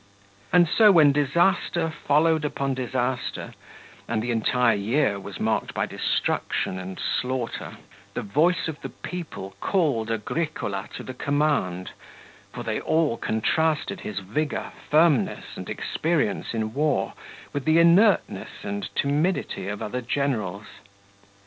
And so when disaster followed upon disaster, and the entire year was marked by destruction and slaughter, the voice of the people called Agricola to the command; for they all contrasted his vigour, firmness, and experience in war, with the inertness and timidity of other generals.